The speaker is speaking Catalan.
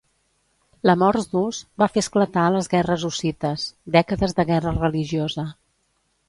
La morts d'Hus va fer esclatar les guerres hussites, dècades de guerra religiosa.